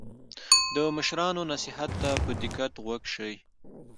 د مشرانو نصیحت ته په دقت غوږ شئ.